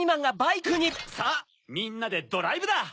さぁみんなでドライブだ！